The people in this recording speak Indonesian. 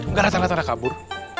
gak ada tanda tanda kabur